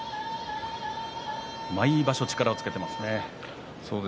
毎場所、力をつけていますね獅司。